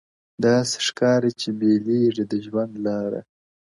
داسي ښکاري چي بېلېږي د ژوند لاره -